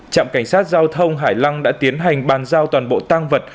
trạm cảnh sát giao thông hải lăng đã tiến hành bàn giao toàn bộ tang vật